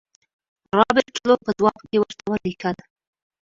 رابرټ لو په ځواب کې ورته ولیکل.